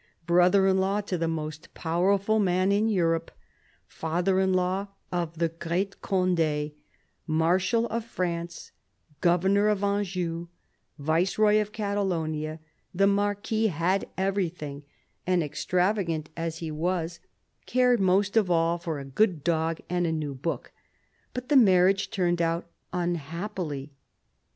Brother in law to the most powerful man in Europe, father in law of the great Conde, Marshal of France, governor of Anjou, Viceroy of Catalonia, the Marquis had everything ; and, " extravagant " as he was, cared most THE BISHOP OF LUgON 107 of all for a good dog and a new book. But the marriage turned out unhappily.